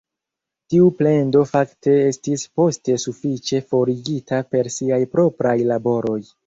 Tiu plendo fakte estis poste sufiĉe forigita per siaj propraj laboroj.